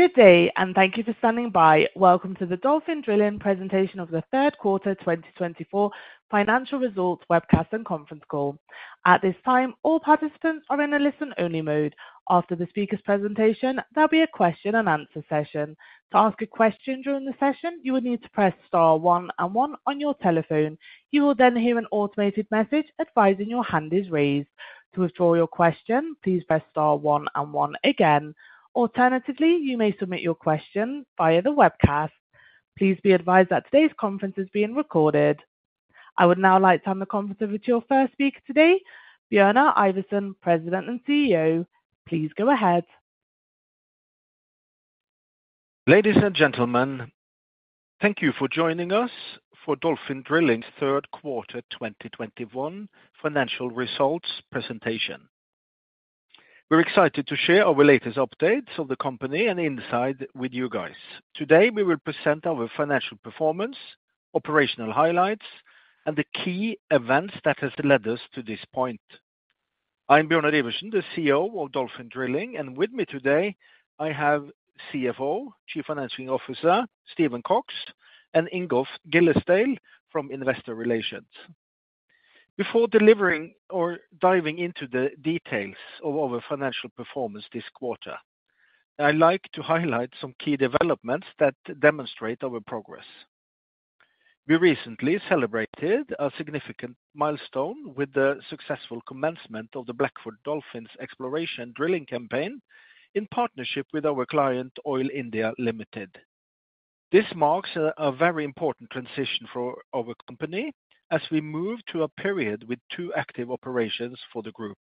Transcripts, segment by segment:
Good day, and thank you for standing by. Welcome to the Dolphin Drilling presentation of the third quarter 2024 financial results webcast and conference call. At this time, all participants are in a listen only mode. After the speaker's presentation, there'll be a question-and-answer session. To ask a question during the session, you will need to press star one and one on your telephone. You will then hear an automated message advising your hand is raised. To withdraw your question, please press star one and one again. Alternatively, you may submit your question via the webcast. Please be advised that today's conference is being recorded. I would now like to turn the conference over to your first speaker today, Bjørnar Iversen, President and CEO. Please go ahead. Ladies and gentlemen, thank you for joining us for Dolphin Drilling, Bjørnar Iversen, third quarter 2021 financial results presentation. We're excited to share our latest updates of the company and insight with you guys. Today, we will present our financial performance, operational highlights, and the key events that have led us to this point. I'm Bjørnar Iversen, the CEO of Dolphin Drilling, and with me today, I have CFO, Chief Financial Officer, Stephen Cox, and Ingolf Gillesdal from Investor Relations. Before delivering or diving into the details of our financial performance this quarter, I'd like to highlight some key developments that demonstrate our progress. We recently celebrated a significant milestone with the successful commencement of the Blackford Dolphin's exploration drilling campaign in partnership with our client, Oil India Limited. This marks a very important transition for our company as we move to a period with two active operations for the group.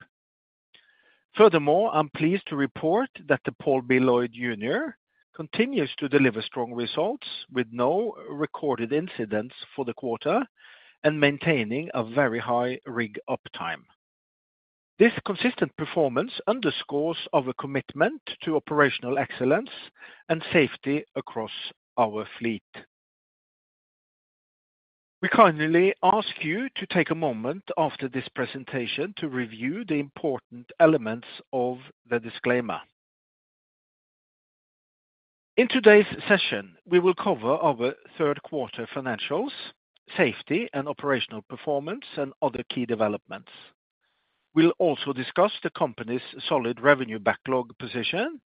Furthermore, I'm pleased to report that Paul B. Loyd, Jr. continues to deliver strong results with no recorded incidents for the quarter and maintaining a very high rig uptime. This consistent performance underscores our commitment to operational excellence and safety across our fleet. We kindly ask you to take a moment after this presentation to review the important elements of the disclaimer. In today's session, we will cover our third quarter financials, safety and operational performance, and other key developments. We'll also discuss the company's solid revenue backlog position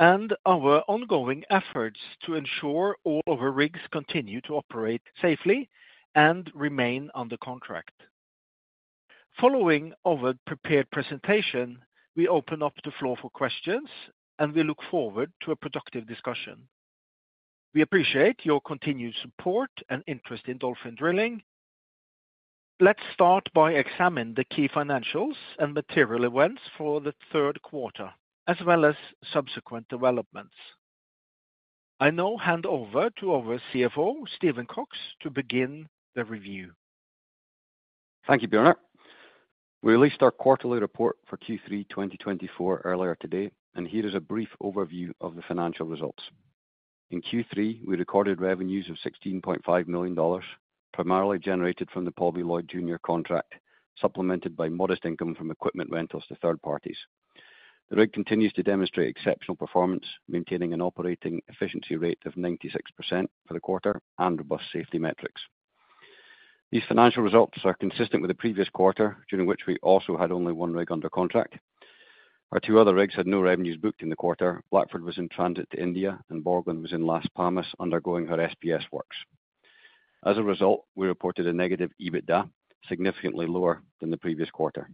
and our ongoing efforts to ensure all of our rigs continue to operate safely and remain under contract. Following our prepared presentation, we open up the floor for questions, and we look forward to a productive discussion. We appreciate your continued support and interest in Dolphin Drilling. Let's start by examining the key financials and material events for the third quarter, as well as subsequent developments. I now hand over to our CFO, Stephen Cox, to begin the review. Thank you, Bjørnar. We released our quarterly report for Q3 2024 earlier today, and here is a brief overview of the financial results. In Q3, we recorded revenues of $16.5 million, primarily generated from the Paul B. Loyd Jr. contract, supplemented by modest income from equipment rentals to third parties. The rig continues to demonstrate exceptional performance, maintaining an operating efficiency rate of 96% for the quarter and robust safety metrics. These financial results are consistent with the previous quarter, during which we also had only one rig under contract. Our two other rigs had no revenues booked in the quarter. Blackford was in transit to India, and Borgland was in Las Palmas undergoing her SPS works. As a result, we reported a negative EBITDA, significantly lower than the previous quarter.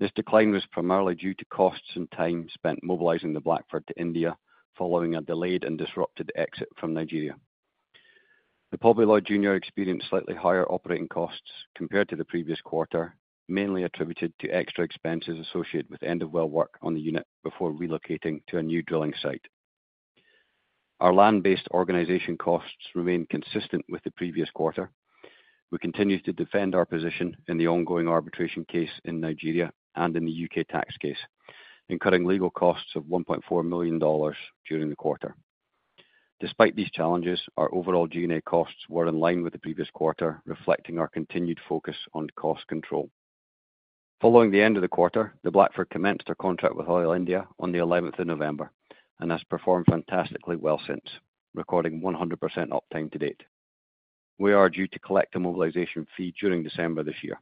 This decline was primarily due to costs and time spent mobilizing the Blackford Dolphin to India following a delayed and disrupted exit from Nigeria. The Paul B. Loyd, Jr. experienced slightly higher operating costs compared to the previous quarter, mainly attributed to extra expenses associated with end-of-well work on the unit before relocating to a new drilling site. Our land-based organization costs remain consistent with the previous quarter. We continue to defend our position in the ongoing arbitration case in Nigeria and in the U.K. tax case, incurring legal costs of $1.4 million during the quarter. Despite these challenges, our overall G&A costs were in line with the previous quarter, reflecting our continued focus on cost control. Following the end of the quarter, the Blackford Dolphin commenced a contract with Oil India on the 11th of November and has performed fantastically well since, recording 100% uptime to date. We are due to collect a mobilization fee during December this year.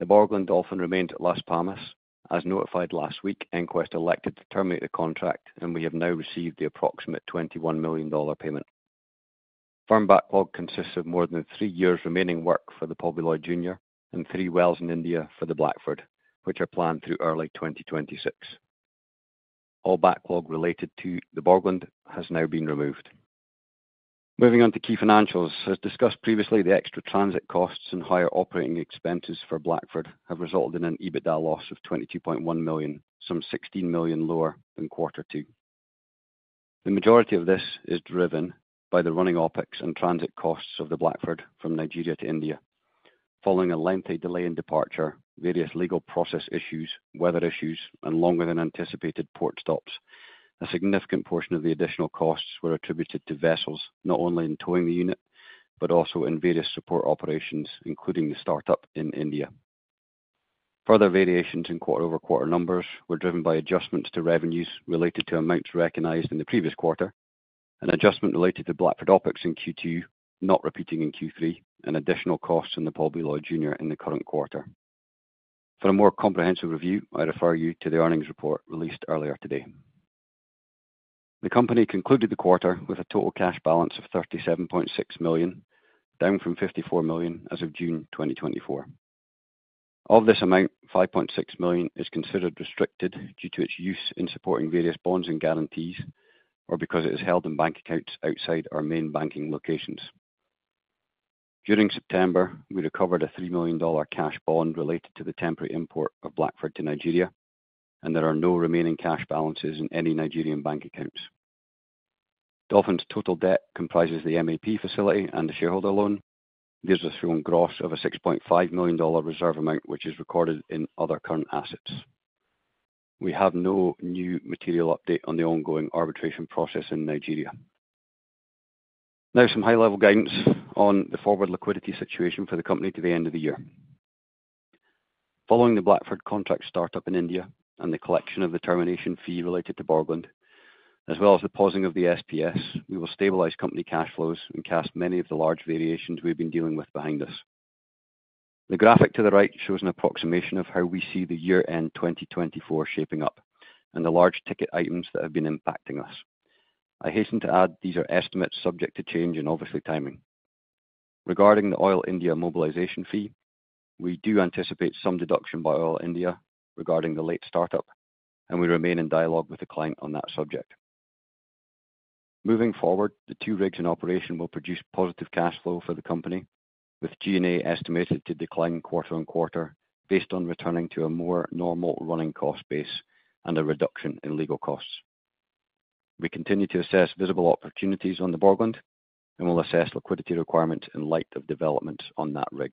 The Borgland Dolphin remained at Las Palmas. As notified last week, EnQuest elected to terminate the contract, and we have now received the approximate $21 million payment. Firm backlog consists of more than three years remaining work for the Paul B. Loyd, Jr. and three wells in India for the Blackford Dolphin, which are planned through early 2026. All backlog related to the Borgland Dolphin has now been removed. Moving on to key financials, as discussed previously, the extra transit costs and higher operating expenses for Blackford Dolphin have resulted in an EBITDA loss of $22.1 million, some $16 million lower than quarter two. The majority of this is driven by the running OpEx and transit costs of the Blackford Dolphin from Nigeria to India. Following a lengthy delay in departure, various legal process issues, weather issues, and longer-than-anticipated port stops, a significant portion of the additional costs were attributed to vessels, not only in towing the unit but also in various support operations, including the startup in India. Further variations in quarter-over-quarter numbers were driven by adjustments to revenues related to amounts recognized in the previous quarter, an adjustment related to Blackford Dolphin OpEx in Q2, not repeating in Q3, and additional costs in the Paul B. Loyd, Jr. in the current quarter. For a more comprehensive review, I refer you to the earnings report released earlier today. The company concluded the quarter with a total cash balance of $37.6 million, down from $54 million as of June 2024. Of this amount, $5.6 million is considered restricted due to its use in supporting various bonds and guarantees or because it is held in bank accounts outside our main banking locations. During September, we recovered a $3 million cash bond related to the temporary import of Blackford Dolphin to Nigeria, and there are no remaining cash balances in any Nigerian bank accounts. Dolphin's total debt comprises the MAP facility and the shareholder loan. This has a gross of a $6.5 million reserve amount, which is recorded in other current assets. We have no new material update on the ongoing arbitration process in Nigeria. Now, some high-level guidance on the forward liquidity situation for the company to the end of the year. Following the Blackford contract startup in India and the collection of the termination fee related to Borgland, as well as the pausing of the SPS, we will stabilize company cash flows and cast many of the large variations we've been dealing with behind us. The graphic to the right shows an approximation of how we see the year-end 2024 shaping up and the large ticket items that have been impacting us. I hasten to add these are estimates subject to change and obviously timing. Regarding the Oil India mobilization fee, we do anticipate some deduction by Oil India regarding the late startup, and we remain in dialogue with the client on that subject. Moving forward, the two rigs in operation will produce positive cash flow for the company, with G&A estimated to decline quarter on quarter based on returning to a more normal running cost base and a reduction in legal costs. We continue to assess visible opportunities on the Borgland and will assess liquidity requirements in light of developments on that rig.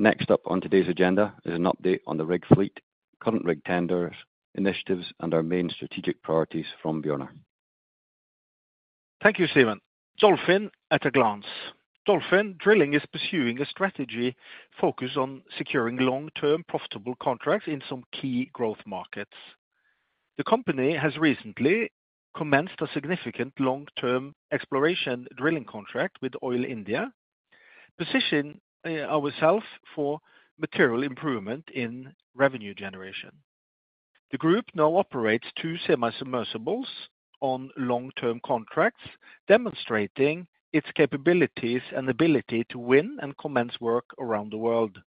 Next up on today's agenda is an update on the rig fleet, current rig tenders, initiatives, and our main strategic priorities from Bjørnar. Thank you, Stephen. Dolphin at a glance. Dolphin Drilling is pursuing a strategy focused on securing long-term profitable contracts in some key growth markets. The company has recently commenced a significant long-term exploration drilling contract with Oil India, positioning ourselves for material improvement in revenue generation. The group now operates two semi-submersibles on long-term contracts, demonstrating its capabilities and ability to win and commence work around the world,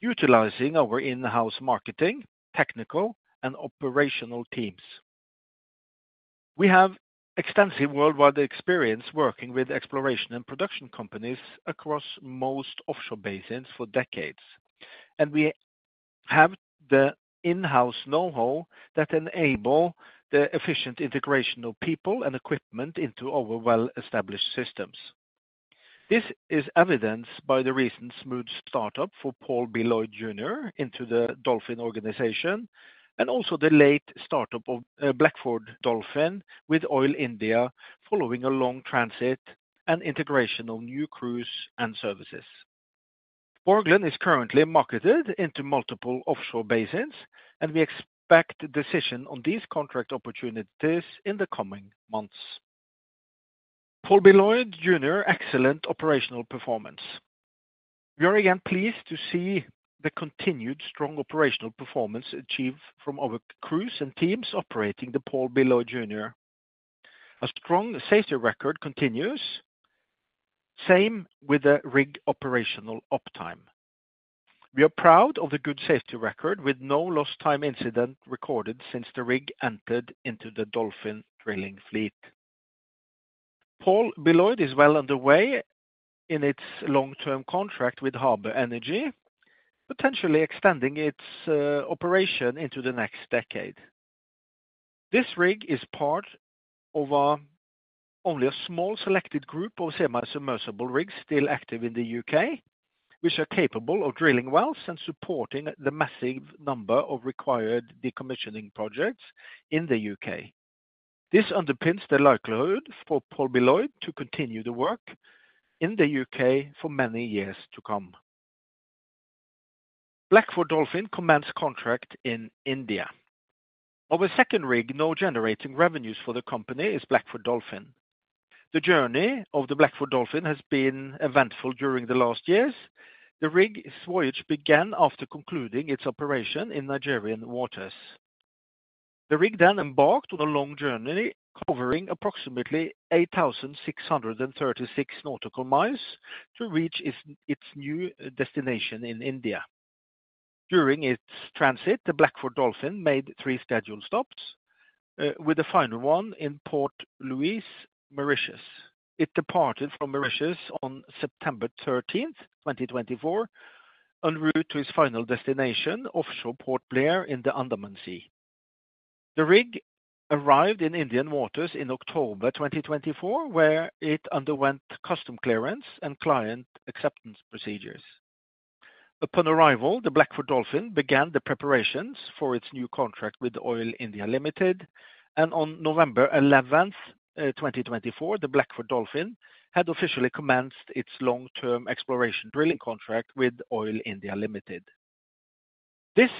utilizing our in-house marketing, technical, and operational teams. We have extensive worldwide experience working with exploration and production companies across most offshore basins for decades, and we have the in-house know-how that enables the efficient integration of people and equipment into our well-established systems. This is evidenced by the recent smooth startup for Paul B. Loyd, Jr. into the Dolphin organization and also the late startup of Blackford Dolphin with Oil India, following a long transit and integration of new crews and services. Borgland Dolphin is currently marketed into multiple offshore basins, and we expect decision on these contract opportunities in the coming months. Paul B. Loyd, Jr.'s excellent operational performance. We are again pleased to see the continued strong operational performance achieved from our crews and teams operating the Paul B. Loyd, Jr. A strong safety record continues, same with the rig operational uptime. We are proud of the good safety record, with no lost-time incident recorded since the rig entered into the Dolphin Drilling fleet. Paul B. Loyd, Jr. is well underway in its long-term contract with Harbour Energy, potentially extending its operation into the next decade. This rig is part of only a small selected group of semi-submersible rigs still active in the U.K., which are capable of drilling wells and supporting the massive number of required decommissioning projects in the U.K. This underpins the likelihood for Paul B. Loyd, Jr. to continue the work in the U.K. for many years to come. Blackford Dolphin commenced contract in India. Our second rig, now generating revenues for the company, is Blackford Dolphin. The journey of the Blackford Dolphin has been eventful during the last years. The rig's voyage began after concluding its operation in Nigerian waters. The rig then embarked on a long journey, covering approximately 8,636 nautical miles to reach its new destination in India. During its transit, the Blackford Dolphin made three scheduled stops, with the final one in Port Louis, Mauritius. It departed from Mauritius on September 13th, 2024, en route to its final destination, offshore Port Blair in the Andaman Sea. The rig arrived in Indian waters in October 2024, where it underwent customs clearance and client acceptance procedures. Upon arrival, the Blackford Dolphin began the preparations for its new contract with Oil India Limited, and on November 11th, 2024, the Blackford Dolphin had officially commenced its long-term exploration drilling contract with Oil India Limited. This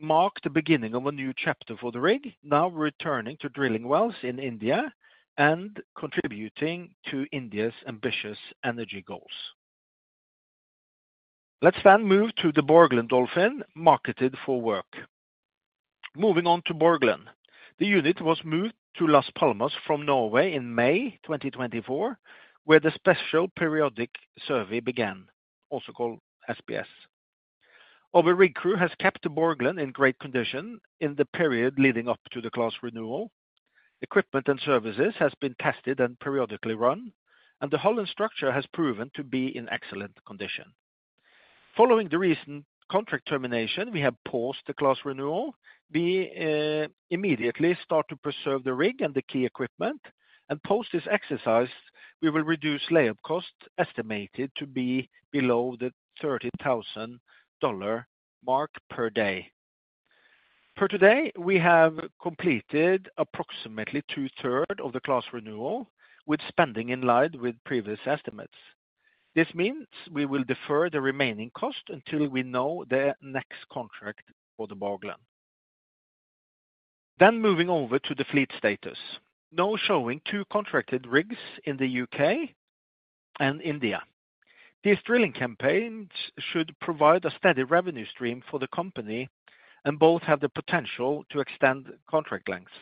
marked the beginning of a new chapter for the rig, now returning to drilling wells in India and contributing to India's ambitious energy goals. Let's then move to the Borgland Dolphin marketed for work. Moving on to Borgland, the unit was moved to Las Palmas from Norway in May 2024, where the special periodic survey began, also called SPS. Our rig crew has kept the Borgland in great condition in the period leading up to the class renewal. Equipment and services have been tested and periodically run, and the hull and structure have proven to be in excellent condition. Following the recent contract termination, we have paused the class renewal. We immediately start to preserve the rig and the key equipment, and post this exercise, we will reduce layup costs estimated to be below the $30,000 mark per day. For today, we have completed approximately two-thirds of the class renewal, with spending in line with previous estimates. This means we will defer the remaining cost until we know the next contract for the Borgland. Then moving over to the fleet status, now showing two contracted rigs in the U.K. and India. These drilling campaigns should provide a steady revenue stream for the company, and both have the potential to extend contract lengths.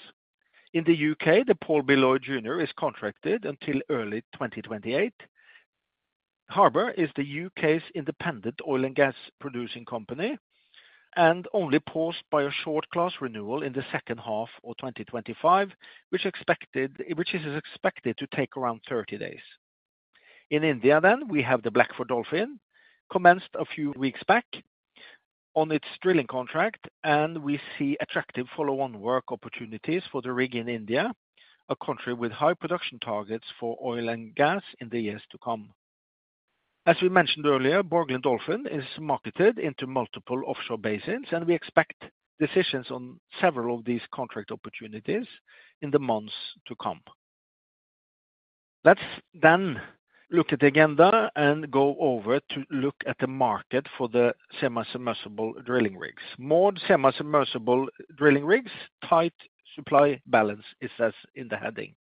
In the U.K., the Paul B. Loyd, Jr. is contracted until early 2028. Harbour is the U.K.'s independent oil and gas producing company and only paused by a short class renewal in the second half of 2025, which is expected to take around 30 days. In India, then, we have the Blackford Dolphin, commenced a few weeks back on its drilling contract, and we see attractive follow-on work opportunities for the rig in India, a country with high production targets for oil and gas in the years to come. As we mentioned earlier, Borgland Dolphin is marketed into multiple offshore basins, and we expect decisions on several of these contract opportunities in the months to come. Let's then look at the agenda and go over to look at the market for the semi-submersible drilling rigs. Moored semi-submersible drilling rigs, tight supply balance, it says in the heading.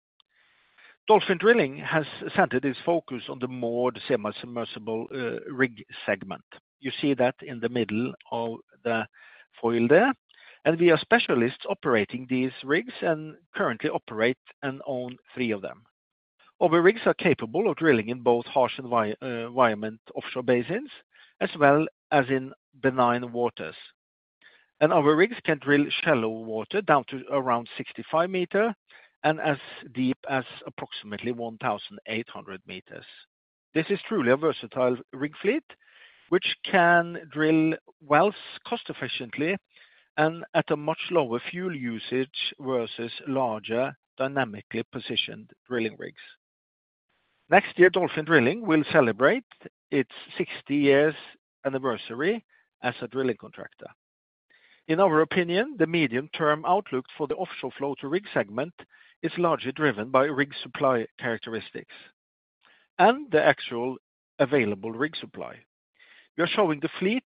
Dolphin Drilling has centered its focus on the moored semi-submersible rig segment. You see that in the middle of the slide there, and we are specialists operating these rigs and currently operate and own three of them. Our rigs are capable of drilling in both harsh environment offshore basins as well as in benign waters, and our rigs can drill shallow water down to around 65 meters and as deep as approximately 1,800 meters. This is truly a versatile rig fleet, which can drill wells cost-efficiently and at a much lower fuel usage versus larger dynamically positioned drilling rigs. Next year, Dolphin Drilling will celebrate its 60 years anniversary as a drilling contractor. In our opinion, the medium-term outlook for the offshore floating rig segment is largely driven by rig supply characteristics and the actual available rig supply. We are showing the fleet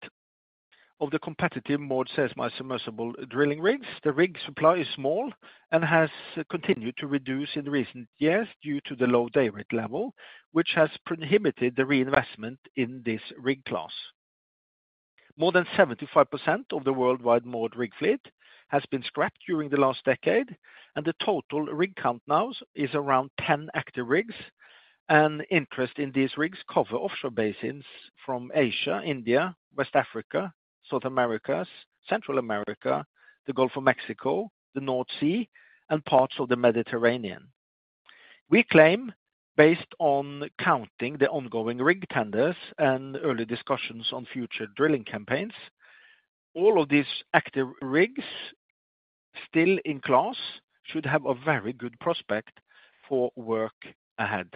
of the competitive moored semi-submersible drilling rigs. The rig supply is small and has continued to reduce in recent years due to the low day rate level, which has prohibited the reinvestment in this rig class. More than 75% of the worldwide moored rig fleet has been scrapped during the last decade, and the total rig count now is around 10 active rigs, and interest in these rigs covers offshore basins from Asia, India, West Africa, South America, Central America, the Gulf of Mexico, the North Sea, and parts of the Mediterranean. We claim, based on counting the ongoing rig tenders and early discussions on future drilling campaigns, all of these active rigs still in class should have a very good prospect for work ahead.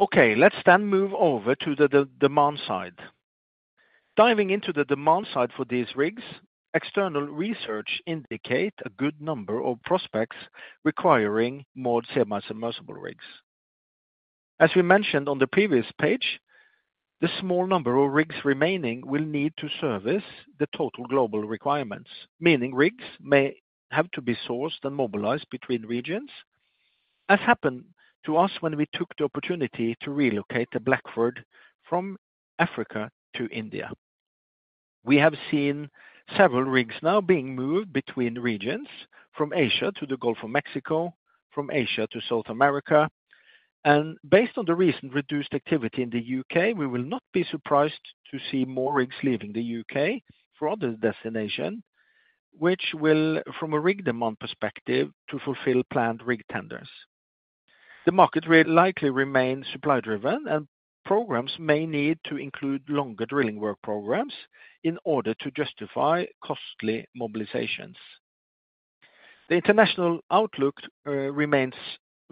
Okay, let's then move over to the demand side. Diving into the demand side for these rigs, external research indicates a good number of prospects requiring moored semi-submersible rigs. As we mentioned on the previous page, the small number of rigs remaining will need to service the total global requirements, meaning rigs may have to be sourced and mobilized between regions, as happened to us when we took the opportunity to relocate the Blackford Dolphin from Africa to India. We have seen several rigs now being moved between regions from Asia to the Gulf of Mexico, from Asia to South America, and based on the recent reduced activity in the U.K., we will not be surprised to see more rigs leaving the U.K. for other destinations, which will, from a rig demand perspective, fulfill planned rig tenders. The market likely remains supply-driven, and programs may need to include longer drilling work programs in order to justify costly mobilizations. The international outlook remains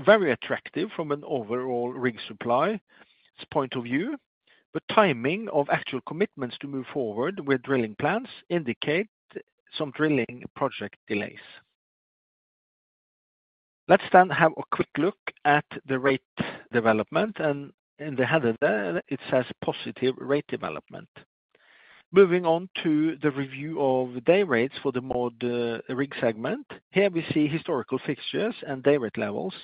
very attractive from an overall rig supply point of view, but timing of actual commitments to move forward with drilling plans indicates some drilling project delays. Let's then have a quick look at the rate development, and in the header there, it says positive rate development. Moving on to the review of day rates for the moored rig segment, here we see historical fixtures and day rate levels,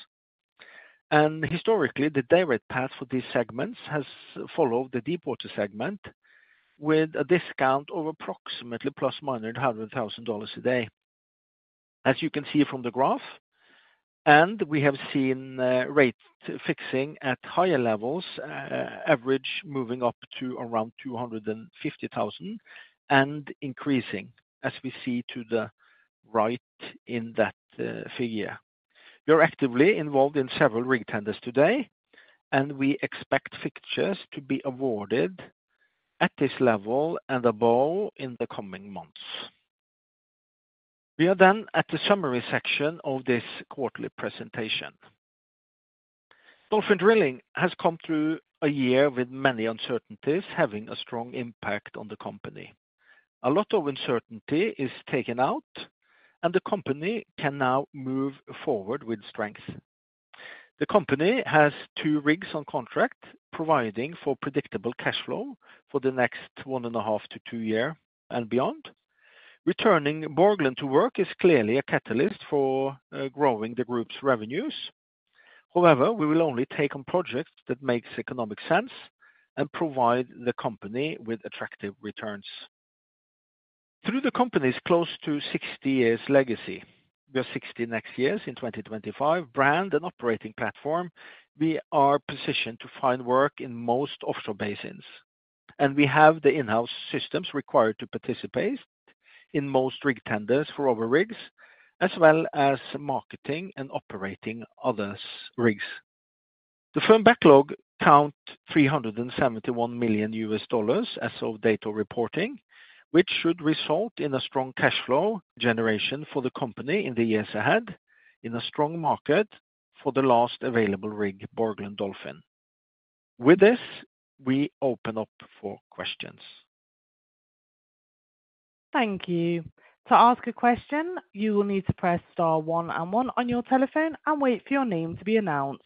and historically, the day rate path for these segments has followed the deepwater segment with a discount of approximately plus or minus $100,000 a day, as you can see from the graph, and we have seen rate fixing at higher levels, average moving up to around $250,000 and increasing, as we see to the right in that figure. We are actively involved in several rig tenders today, and we expect fixtures to be awarded at this level and above in the coming months. We are then at the summary section of this quarterly presentation. Dolphin Drilling has come through a year with many uncertainties, having a strong impact on the company. A lot of uncertainty is taken out, and the company can now move forward with strength. The company has two rigs on contract, providing for predictable cash flow for the next one and a half to two years and beyond. Returning Borgland Dolphin to work is clearly a catalyst for growing the group's revenues. However, we will only take on projects that make economic sense and provide the company with attractive returns. Through the company's close to 60 years' legacy, we are 60 next years in 2025, brand and operating platform, we are positioned to find work in most offshore basins, and we have the in-house systems required to participate in most rig tenders for our rigs, as well as marketing and operating other rigs. The firm backlog counts $371 million as of data reporting, which should result in a strong cash flow generation for the company in the years ahead in a strong market for the last available rig, Borgland Dolphin. With this, we open up for questions. Thank you. To ask a question, you will need to press star one and one on your telephone and wait for your name to be announced.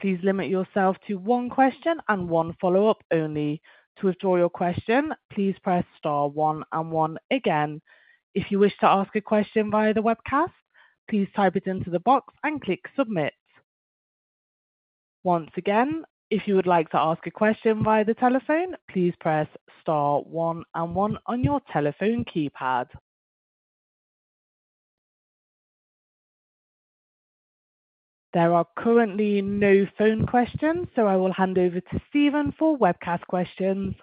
Please limit yourself to one question and one follow-up only. To withdraw your question, please press star one and one again. If you wish to ask a question via the webcast, please type it into the box and click submit. Once again, if you would like to ask a question via the telephone, please press star one and one on your telephone keypad. There are currently no phone questions, so I will hand over to Stephen for webcast questions.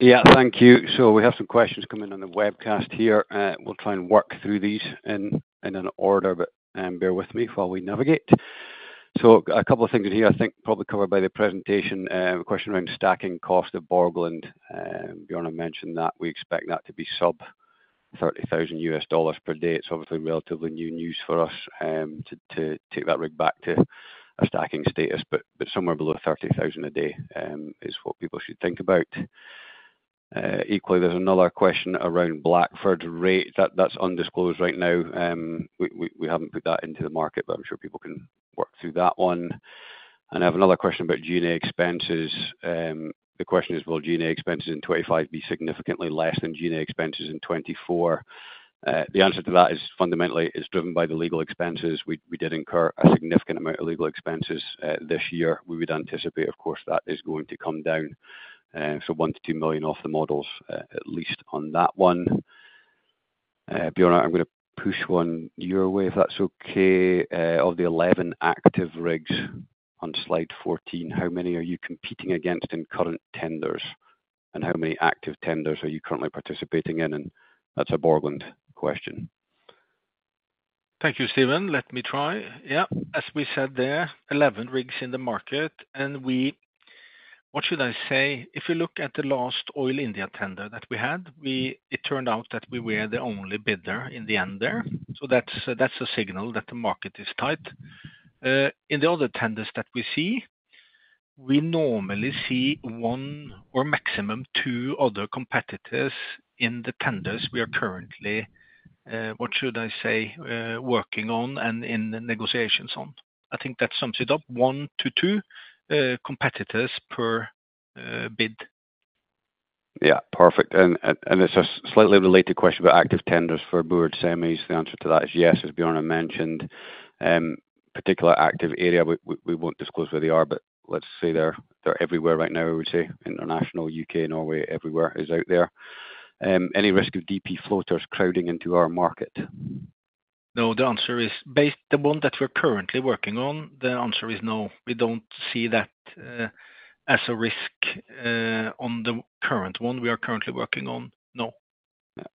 Yeah, thank you. So we have some questions coming on the webcast here. We'll try and work through these in an order, but bear with me while we navigate. So a couple of things in here I think probably covered by the presentation, a question around stacking cost of Borgland. Bjørnar mentioned that we expect that to be sub $30,000 per day. It's obviously relatively new news for us to take that rig back to a stacking status, but somewhere below $30,000 a day is what people should think about. Equally, there's another question around Blackford's rate. That's undisclosed right now. We haven't put that into the market, but I'm sure people can work through that one. And I have another question about G&A expenses. The question is, will G&A expenses in 2025 be significantly less than G&A expenses in 2024? The answer to that is fundamentally it's driven by the legal expenses. We did incur a significant amount of legal expenses this year. We would anticipate, of course, that is going to come down, so $1 million-$2 million off the models, at least on that one. Bjørnar, I'm going to push one your way, if that's okay. Of the 11 active rigs on slide 14, how many are you competing against in current tenders, and how many active tenders are you currently participating in? And that's a Borgland question. Thank you, Stephen. Let me try. Yeah, as we said there, 11 rigs in the market, and what should I say? If you look at the last Oil India tender that we had, it turned out that we were the only bidder in the end there. So that's a signal that the market is tight. In the other tenders that we see, we normally see one or maximum two other competitors in the tenders we are currently, what should I say, working on and in negotiations on. I think that sums it up, one to two competitors per bid. Yeah, perfect. And it's a slightly related question about active tenders for moored semis. The answer to that is yes, as Bjørnar mentioned. Particular active area, we won't disclose where they are, but let's say they're everywhere right now, I would say, international, U.K., Norway, everywhere is out there. Any risk of DP floaters crowding into our market? No, the answer is, based on the one that we're currently working on, the answer is no. We don't see that as a risk on the current one we are currently working on. No.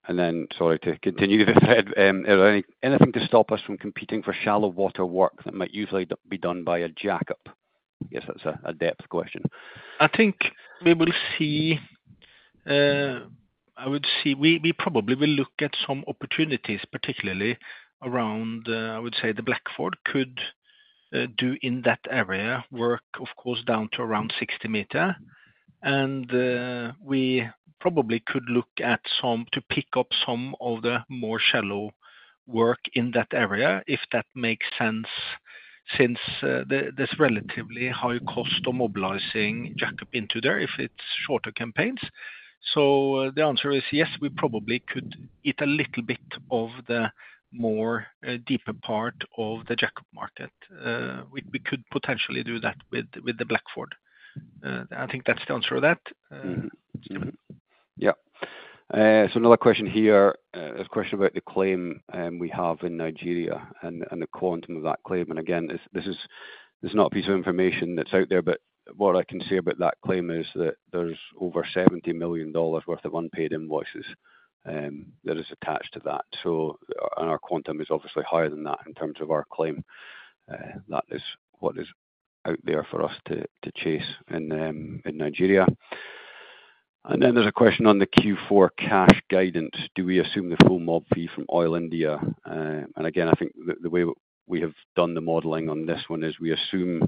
And then, sorry to continue this, is there anything to stop us from competing for shallow water work that might usually be done by a jack-up? I guess that's a depth question. I think we will see. I would say we probably will look at some opportunities, particularly around. I would say the Blackford could do in that area work, of course, down to around 60 meters. And we probably could look at some to pick up some of the more shallow work in that area if that makes sense, since there's relatively high cost of mobilizing jack-up into there if it's shorter campaigns. So the answer is yes, we probably could eat a little bit of the more deeper part of the jack-up market. We could potentially do that with the Blackford. I think that's the answer to that. Yeah. Another question here, a question about the claim we have in Nigeria and the quantum of that claim. And again, this is not a piece of information that's out there, but what I can see about that claim is that there's over $70 million worth of unpaid invoices that is attached to that. Our quantum is obviously higher than that in terms of our claim. That is what is out there for us to chase in Nigeria. And then there's a question on the Q4 cash guidance. Do we assume the full mob fee from Oil India? And again, I think the way we have done the modeling on this one is we assume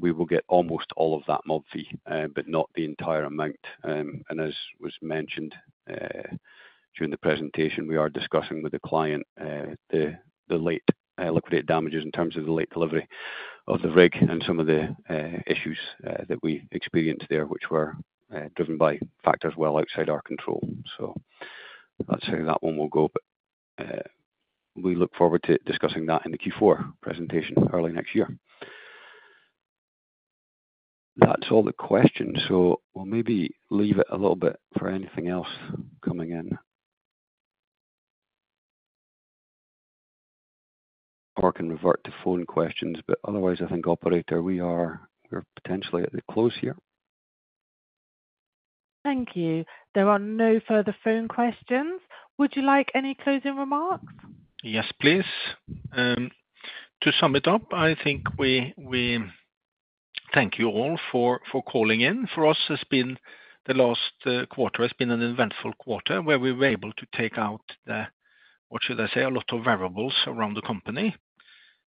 we will get almost all of that mob fee, but not the entire amount. And as was mentioned during the presentation, we are discussing with the client the liquidated damages in terms of the late delivery of the rig and some of the issues that we experienced there, which were driven by factors well outside our control. So that's how that one will go. But we look forward to discussing that in the Q4 presentation early next year. That's all the questions. So we'll maybe leave it a little bit for anything else coming in or can revert to phone questions. But otherwise, I think, operator, we are potentially at the close here. Thank you. There are no further phone questions. Would you like any closing remarks? Yes, please. To sum it up, I think we thank you all for calling in. For us, the last quarter has been an eventful quarter where we were able to take out, what should I say, a lot of variables around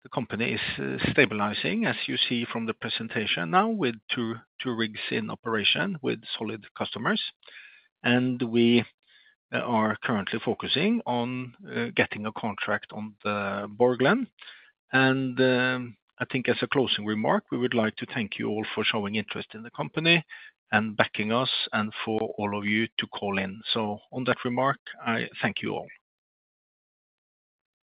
the company. The company is stabilizing, as you see from the presentation now, with two rigs in operation with solid customers, and we are currently focusing on getting a contract on the Borgland, and I think as a closing remark, we would like to thank you all for showing interest in the company and backing us and for all of you to call in, so on that remark, I thank you all.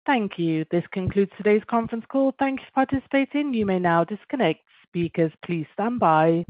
Thank you. This concludes today's conference call. Thank you for participating. You may now disconnect. Speakers, please stand by.